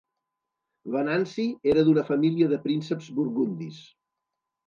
Venanci era d'una família de prínceps burgundis.